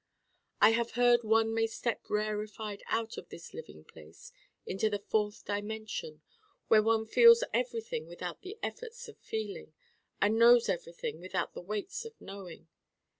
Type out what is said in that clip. I have heard one may step rarefied out of this living place into the Fourth Dimension, where one feels everything without the efforts of feeling, and knows everything without the weights of knowing.